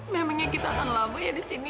memangnya kita akan lama ya di sini